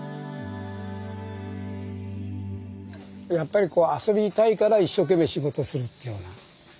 やっぱり遊びたいから一生懸命仕事するっていうような。